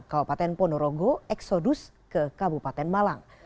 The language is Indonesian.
kabupaten ponorogo eksodus ke kabupaten malang